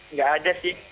enggak ada sih